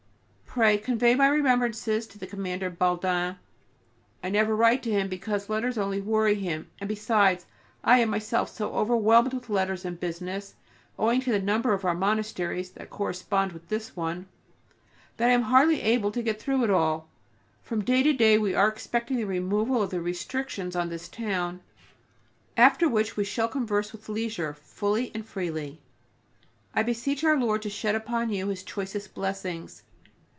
Pray convey my remembrances to the Commander Baldain. I never write to him because letters only worry him, and, besides, I am myself so overwhelmed with letters and business, owing to the number of our monasteries that correspond with this one, that I am hardly able to get through it all. From day to day we are expecting the removal of the restrictions on this town, after which we shall converse with leisure, fully and freely. I beseech Our Lord to shed upon you His choicest blessings.